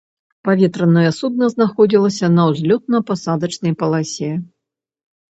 Паветранае судна знаходзілася на ўзлётна-пасадачнай паласе.